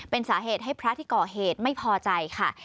เป็นสาเหตุให้พระที่ก่อเหตุไม่พอใจค่ะ